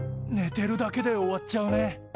ねてるだけで終わっちゃうね。